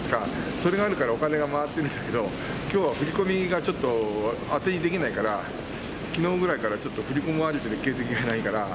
それがあるから、お金が回ってるんだけど、きょうは振り込みがちょっとあてにできないから、きのうぐらいからちょっと、振り込まれている形跡がないから。